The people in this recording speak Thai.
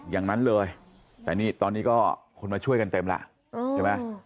อย่างนั้นเลยแต่นี่ตอนนี้ก็คนมาช่วยกันเต็มล่ะใช่ไหม